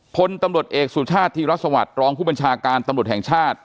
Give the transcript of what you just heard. พลตำรวจเอกสุชาติธีรสวัสดิ์รองผู้บัญชาการตำรวจแห่งชาติ